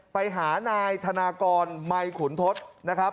ไปหานายธนากรมัยขุนทศนะครับ